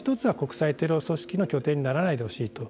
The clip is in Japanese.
もう一つは国際テロ組織の拠点にならないでほしいと。